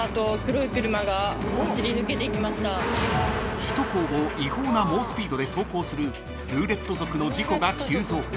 ［首都高を違法な猛スピードで走行するルーレット族の事故が急増］